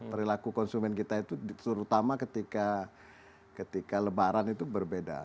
perilaku konsumen kita itu terutama ketika lebaran itu berbeda